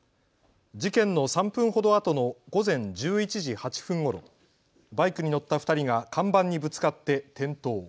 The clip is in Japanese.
事件の３分ほどあとの午前１１時８分ごろ、バイクに乗った２人が看板にぶつかって転倒。